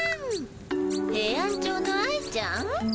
ヘイアンチョウの愛ちゃん？